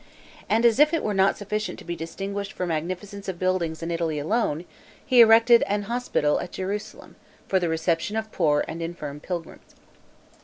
And, as if it were not sufficient to be distinguished for magnificence of buildings in Italy alone, he erected an hospital at Jerusalem, for the reception of poor and infirm pilgrims.